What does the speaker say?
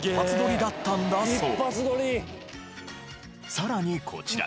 さらにこちら。